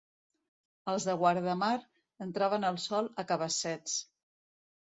Els de Guardamar entraven el sol a cabassets.